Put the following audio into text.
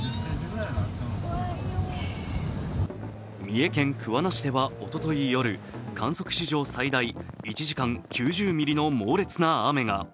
三重県桑名市ではおととい夜、観測史上最大１時間９０ミリの猛烈な雨が。